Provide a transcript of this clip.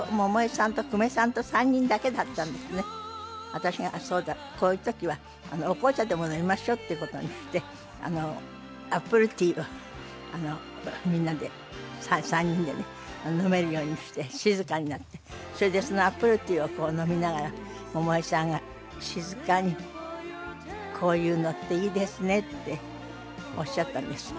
私がそうだこういう時はお紅茶でも飲みましょうっていう事にしてアップルティーをみんなで３人でね飲めるようにして静かになってそれでそのアップルティーをこう飲みながら百恵さんが静かに「こういうのっていいですね」っておっしゃったんです。